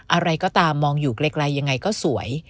อะไรก็ตามมองอยู่ไกลยังไงก็สวย